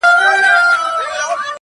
جل وهلی سوځېدلی د مودو مودو راهیسي,